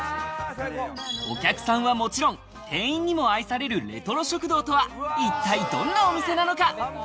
お客さんはもちろん、店員にも愛されるレトロ食堂とは一体どんなお店なのか？